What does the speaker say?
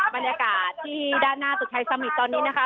บรรยากาศที่ด้านหน้าตึกไทยสมิตรตอนนี้นะคะ